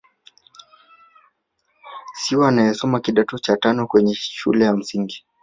Siwa anayesomea kidato cha tano kwenye shule ya msingi.